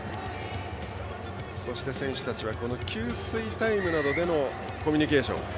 そして、選手たちは給水タイムなどでのコミュニケーション。